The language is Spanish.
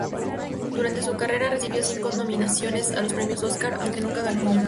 Durante su carrera recibió cinco nominaciones a los Premios Oscar, aunque nunca ganó ninguno.